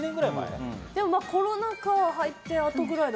コロナ禍入って。